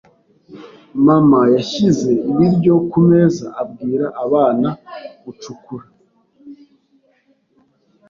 Mama yashyize ibiryo kumeza abwira abana gucukura.